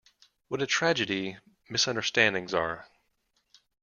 What a tragedy misunderstandings are.